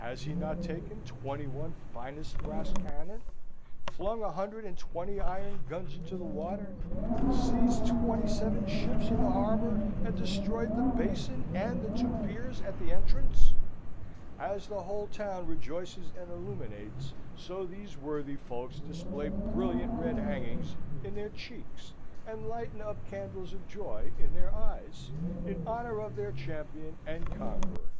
Has he not taken twenty one finest brass cannon; flung a hundred and twenty iron guns into the water, seized twenty seven ships in the harbour, and destroyed the basin and the two piers at the entrance?" As the whole town rejoices and illuminates, so these worthy folks display brilliant red hangings in their cheeks, and light up candles of joy in their eyes, in honour of their champion and conqueror.